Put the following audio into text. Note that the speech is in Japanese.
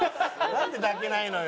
なんで抱けないのよ。